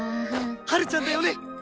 ハルちゃんだよね。